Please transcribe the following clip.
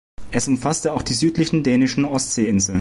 Es umfasste auch die südlichen dänischen Ostseeinseln.